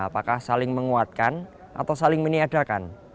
apakah saling menguatkan atau saling meniadakan